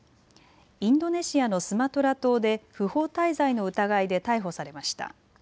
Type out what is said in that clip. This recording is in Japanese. インドネシアのスマトラ島で不法滞在の疑いで逮捕されました。